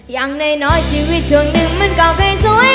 อย่างน้อยชีวิตช่วงหนึ่งมันก็ไม่สวย